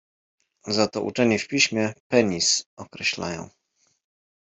Za to uczeni w piśmie, penis - określają.